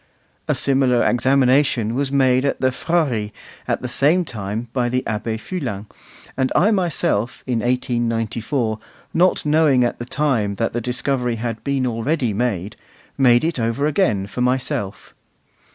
A similar examination was made at the Frari at about the same time by the Abbé Fulin; and I myself, in 1894, not knowing at the time that the discovery had been already made, made it over again for myself.